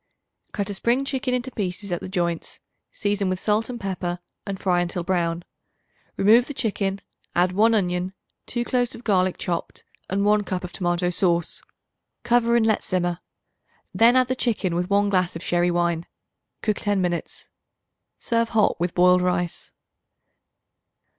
Cut a spring chicken into pieces at the joints; season with salt and pepper and fry until brown. Remove the chicken; add 1 onion, 2 cloves of garlic chopped and 1 cup of tomato sauce. Cover and let simmer; then add the chicken with 1 glass of sherry wine. Cook ten minutes. Serve hot with boiled rice.